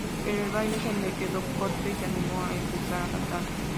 Pero el baile se le quedó corto y se animó a empezar a cantar.